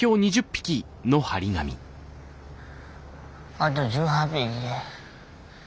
あと１８匹。